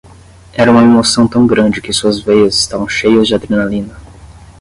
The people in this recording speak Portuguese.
Era uma emoção tão grande que suas veias estavam cheias de adrenalina.